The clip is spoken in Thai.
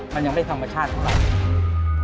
มันยังไม่ธรรมชาติประมาณนี้